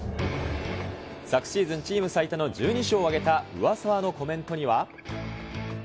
昨シーズン、チーム最多の１２勝を挙げた上沢のコメントには。